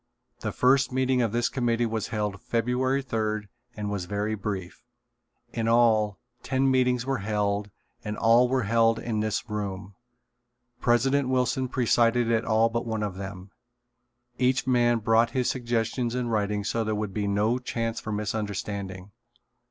The first meeting of this committee was held February third and was very brief. In all, ten meetings were held and all were held in this room. President Wilson presided at all but one of them. Each man brought his suggestions in writing so there would be no chance for misunderstanding.